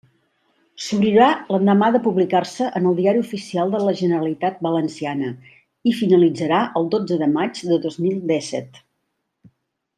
S'obrirà l'endemà de publicar-se en el Diari Oficial de la Generalitat Valenciana i finalitzarà el dotze de maig de dos mil dèsset.